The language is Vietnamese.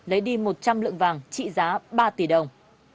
lấy đi một trăm linh lượng vàng trị giá ba tỷ đồng